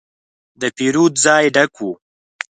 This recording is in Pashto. د پیرود ځای ډک و.